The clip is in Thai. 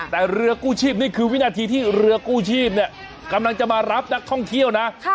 แต่เรือกู้ชีพนี่คือวินาทีที่เรือกู้ชีพเนี่ยกำลังจะมารับนักท่องเที่ยวนะ